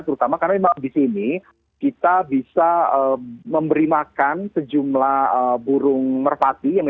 terutama karena memang di sini kita bisa memberi makan sejumlah burung merpati